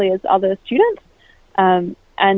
secepat mungkin dengan pelajar lain